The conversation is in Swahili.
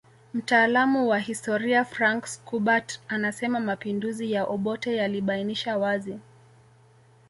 Mtaalamu wa historia Frank Schubert anasema mapinduzi ya Obote yalibainisha wazi